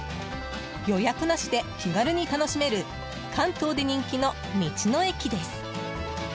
予約なしで気軽に楽しめる関東で人気の道の駅です。